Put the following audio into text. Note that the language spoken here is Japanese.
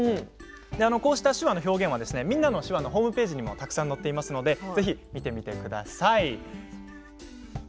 こうした手話の表現は「みんなの手話」のホームページにもたくさん載ってますのでぜひ見てみてください。